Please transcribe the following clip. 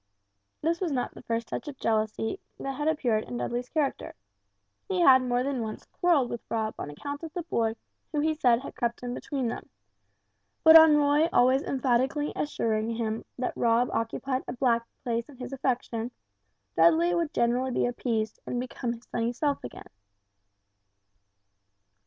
This was not the first touch of jealousy that had appeared in Dudley's character. He had more than once quarrelled with Roy on account of the boy who he said had crept in between them, but on Roy always emphatically assuring him that Rob occupied a back place in his affections, Dudley would generally be appeased and become his sunny self again.